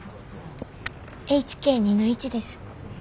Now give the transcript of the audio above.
ＨＫ２−１です。